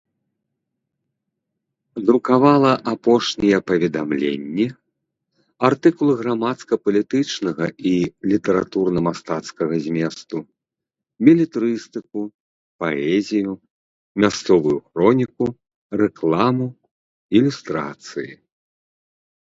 Друкавала апошнія паведамленні, артыкулы грамадска-палітычнага і літаратурна-мастацкага зместу, белетрыстыку, паэзію, мясцовую хроніку, рэкламу, ілюстрацыі.